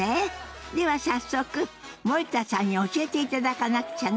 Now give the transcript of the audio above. では早速森田さんに教えていただかなくちゃね。